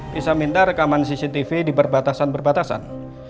bisa minta rekaman cctv di perbatasan perbatasan